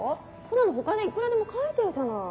そんなのほかでいくらでも書いてるじゃない。